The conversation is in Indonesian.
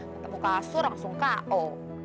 ketemu kasur langsung ko